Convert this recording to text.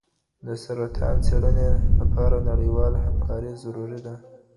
د سرطان څېړنې لپاره نړیواله همکاري ضروري ده.